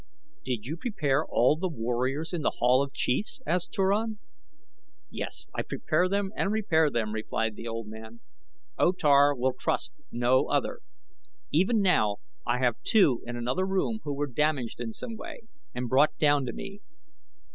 "Did you prepare all the warriors in The Hall of Chiefs?" asked Turan. "Yes, I prepare them and repair them," replied the old man. "O Tar will trust no other. Even now I have two in another room who were damaged in some way and brought down to me.